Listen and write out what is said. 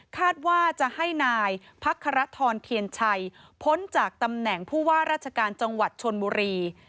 คาดว่าจะให้นายพักครทรเทียนชัยพ้นจากตำแหน่งผู้ว่าราชการจังหวัดชนบุรี